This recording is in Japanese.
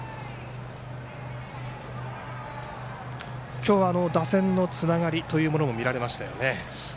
今日は打線のつながりというのも見られましたよね。